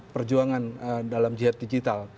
perjuangan dalam jihad digital